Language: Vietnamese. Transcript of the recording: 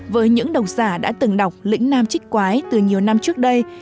với những đọc giả đã từng đọc lĩnh nam chích quái từ nhiều năm trước đây